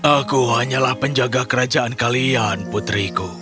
aku hanyalah penjaga kerajaan kalian putriku